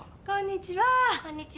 こんにちは。